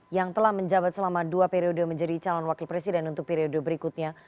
yang telah menjabat selama dua periode menjadi calon wakil presiden untuk periode berikutnya